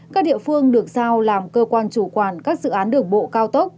các địa phương được giao làm cơ quan chủ quản các dự án đường bộ cao tốc